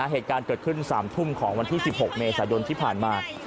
เหตุการณ์เกิดขึ้น๓ทุ่มของวันที่๑๖เมษายนที่ผ่านมา